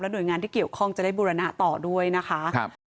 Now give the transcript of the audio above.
หน่วยงานที่เกี่ยวข้องจะได้บุรณะต่อด้วยนะคะ